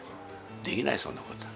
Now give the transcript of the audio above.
できない、そんなことは。